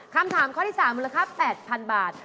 คำถามข้อที่๓มูลค่า๘๐๐๐บาท